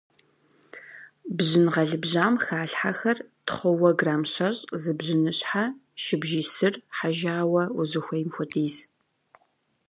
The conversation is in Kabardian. Бжьын гъэлыбжьам халъхьэхэр: тхъууэ грамм щэщӏ, зы бжьыныщхьэ, шыбжий сыр хьэжауэ — узыхуейм хуэдиз.